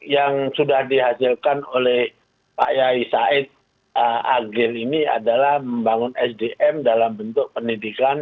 yang sudah dihasilkan oleh pak yai said agil ini adalah membangun sdm dalam bentuk pendidikan